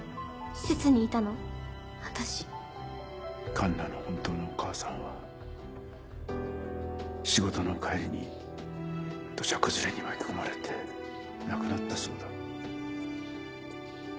環奈の本当のお母さんは仕事の帰りに土砂崩れに巻き込まれて亡くなったそうだ。